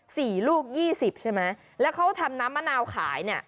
ลูกยี่สิบใช่ไหมแล้วเขาทำน้ำมะนาวขายเนี่ย